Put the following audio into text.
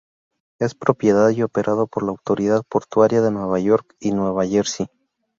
Es propiedad y operado por la Autoridad Portuaria de Nueva York y Nueva Jersey.